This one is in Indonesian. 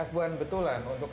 f satu betulan untuk